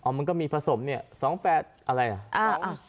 มันก็มีผสมเนี่ย๒๘อะไรอ่ะ